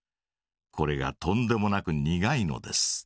これがとんでもなく苦いのです。